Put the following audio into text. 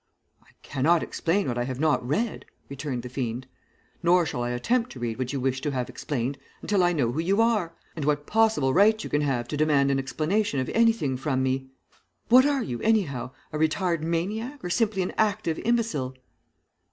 "'I cannot explain what I have not read,' returned the fiend. 'Nor shall I attempt to read what you wish to have explained until I know who you are, and what possible right you can have to demand an explanation of anything from me. What are you, anyhow, a retired maniac or simply an active imbecile?'